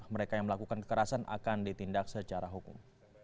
mereka yang melakukan kekerasan akan ditindak secara hukum